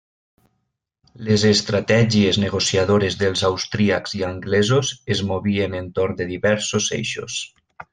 Les estratègies negociadores dels austríacs i anglesos es movien entorn de diversos eixos.